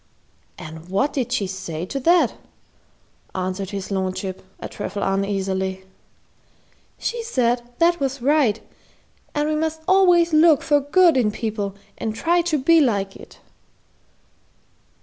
"And what did she say to that?" asked his lordship, a trifle uneasily. "She said that was right, and we must always look for good in people and try to be like it."